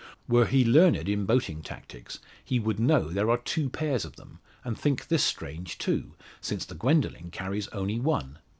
Were he learned in boating tactics he would know there are two pairs of them, and think this strange too; since the Gwendoline carries only one.